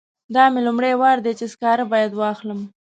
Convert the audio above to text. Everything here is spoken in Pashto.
دا مې لومړی وار دی چې سکاره باید واخلم.